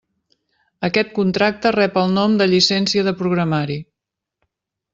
Aquest contracte rep el nom de “llicència de programari”.